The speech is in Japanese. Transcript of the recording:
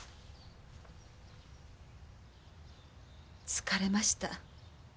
疲れました。